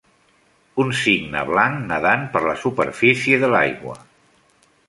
Un cigne blanc nedant per la superfície de l'aigua.